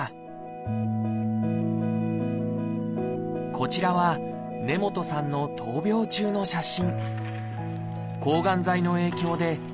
こちらは根本さんの闘病中の写真。